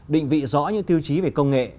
định vị rõ những tiêu chí về công nghệ